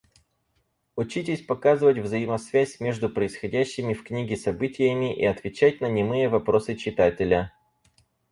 Учитесь показывать взаимосвязь между происходящими в книге событиями и отвечать на немые вопросы читателя.